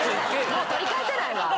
もう取り返せないわ。